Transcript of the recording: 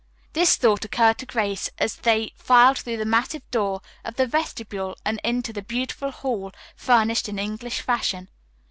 This thought occurred to Grace as they filed through the massive door of the vestibule and into the beautiful hall furnished in English fashion.